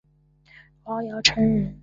王尧臣人。